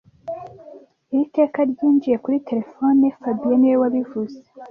Iri teka ryinjiye kuri terefone fabien niwe wabivuze